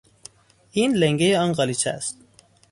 این لنگهی آن قالیچه است.